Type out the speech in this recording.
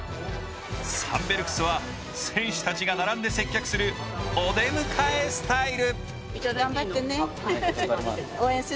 サンベルクスは選手たちが並んで接客するお出迎えスタイル。